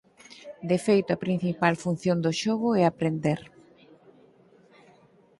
De feito a principal función do xogo é aprender.